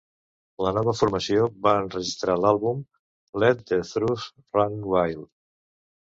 La nova formació va enregistrar l'àlbum ...let the Truth Run Wild!